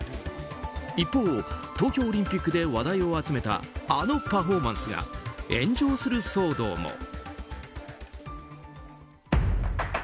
一方、東京オリンピックで話題を集めたあのパフォーマンスが炎上する騒動も。